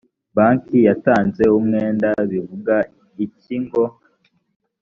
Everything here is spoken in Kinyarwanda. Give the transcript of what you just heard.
banki yatanze umwenda bivuga ikigo